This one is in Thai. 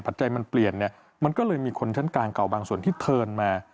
ปัจจัยมันเปลี่ยนเนี่ยมันก็เลยมีคนชั้นกลางเก่าบางส่วนที่เทิร์นมา